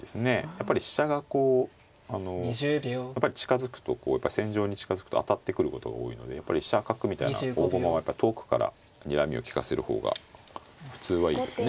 やっぱり飛車がこうあのやっぱり近づくとこう戦場に近づくと当たってくることが多いのでやっぱり飛車角みたいな大駒はやっぱ遠くからにらみを利かせる方が普通はいいんですね。